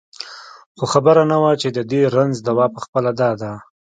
خو خبره نه وه چې د دې رنځ دوا پخپله دا ده.